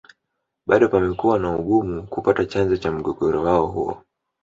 Bado pamekuwa na Ugumu kupata chanzo cha mgogoro wao huo